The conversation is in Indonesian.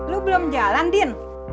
lu belum jalan din